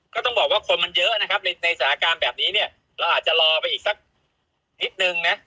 ก็ต้องบอกว่าคนมันเยอะนะครับในสถานการณ์แบบนี้เนี่ยเราอาจจะรอไปอีกสักนิดนึงนะ